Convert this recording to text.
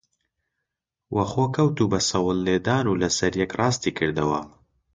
وە خۆ کەوت و بە سەوڵ لێدان و لەسەر یەک ڕاستی کردەوە